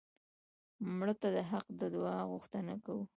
مړه ته د حق د دعا غوښتنه کوو